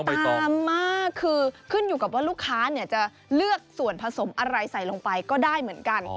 ตามมากคือขึ้นอยู่กับว่าลูกค้าจะเลือกส่วนผสมอะไรใส่ลงไปก็ได้เหมือนกัน